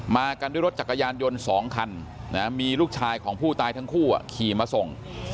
กันด้วยรถจักรยานยนต์๒คันมีลูกชายของผู้ตายทั้งคู่ขี่มาส่ง